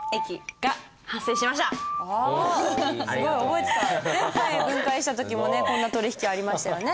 前回分解した時もねこんな取引ありましたよね。